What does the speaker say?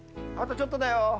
あとちょっとだよ。